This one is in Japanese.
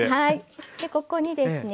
ここにですね